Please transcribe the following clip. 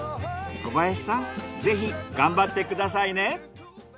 小林さんぜひ頑張ってくださいね。